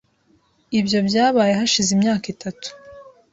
Ibyo byabaye hashize imyaka itatu .